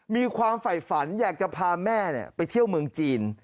ฝ่ายฝันอยากจะพาแม่ไปเที่ยวเมืองจีน